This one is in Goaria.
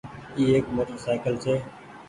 اي ايڪ موٽر سآئيڪل ڇي۔